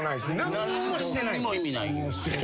何にも意味ない。